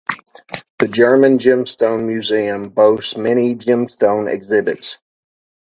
The German Gemstone Museum boasts many gemstone exhibits.